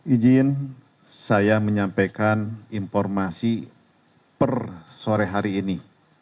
ijin saya menyampaikan informasi per sore hari ini